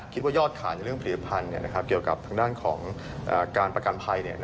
ยอดขายในเรื่องผลิตภัณฑ์เกี่ยวกับทางด้านของการประกันภัย